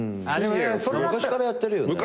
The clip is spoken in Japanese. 昔からやってるよね。